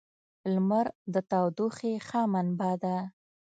• لمر د تودوخې ښه منبع ده.